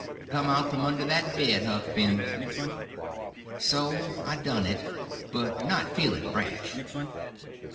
Come out from under that bed, Huck Finn." So I done it. But not feeling brash.